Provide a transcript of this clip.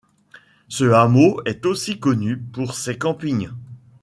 Ce hameau est aussi connu pour ses campings.